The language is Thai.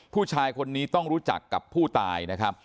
ผู้ชายคนนี้ต้องรู้จักกับผู้ตายนะครับ